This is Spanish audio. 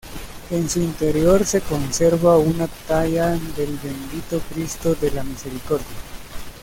En su interior se conserva una talla del Bendito Cristo de la Misericordia.